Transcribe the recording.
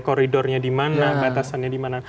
koridornya di mana batasannya di mana